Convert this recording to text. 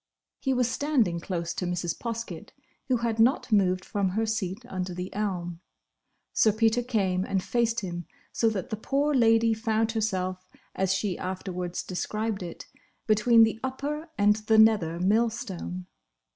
He was standing close to Mrs. Poskett, who had not moved from her seat under the elm. Sir Peter came and faced him, so that the poor lady found herself, as she afterwards described it, between the upper and the nether millstone.